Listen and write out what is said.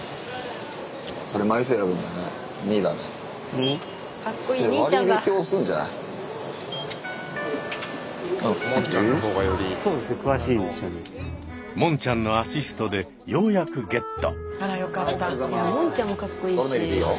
２？もんちゃんのアシストでようやくゲット。